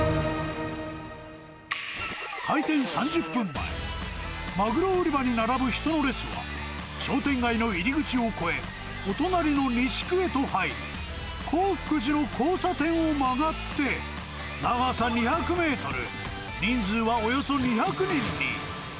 開店３０分前、マグロ売り場に並ぶ人の列は、商店街の入り口を越え、お隣の西区へと入り、洪福寺の交差点を曲がって、長さ２００メートル、人数はおよそ２００人に。